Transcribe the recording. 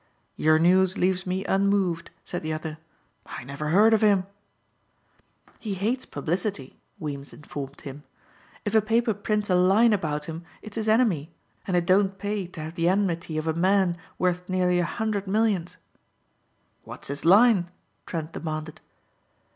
"Your news leaves me unmoved," said the other. "I never heard of him." "He hates publicity," Weems informed him. "If a paper prints a line about him it's his enemy, and it don't pay to have the enmity of a man worth nearly a hundred millions." "What's his line?" Trent demanded.